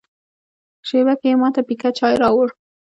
شېبه کې یې ما ته پیکه چای راوړ.